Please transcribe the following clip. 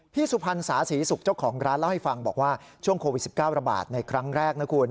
สุพรรณสาศรีสุขเจ้าของร้านเล่าให้ฟังบอกว่าช่วงโควิด๑๙ระบาดในครั้งแรกนะคุณ